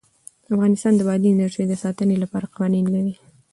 افغانستان د بادي انرژي د ساتنې لپاره قوانین لري.